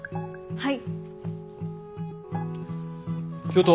はい。